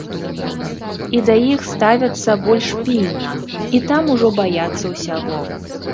І да іх ставяцца больш пільна, і там ужо баяцца ўсяго.